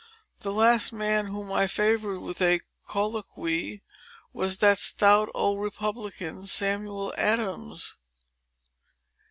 The last man whom I favored with a colloquy, was that stout old republican, Samuel Adams."